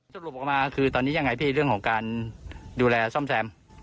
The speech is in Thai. สรุปออกมาคือตอนนี้ยังไงพี่เรื่องของการดูแลซ่อมแซม